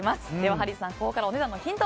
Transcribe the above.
ハリーさん、ここからお値段のヒント